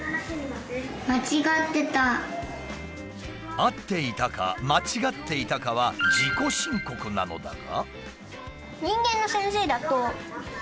合っていたか間違っていたかは自己申告なのだが。